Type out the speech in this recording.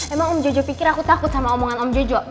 emang om jojo pikir aku takut sama omongan om jojo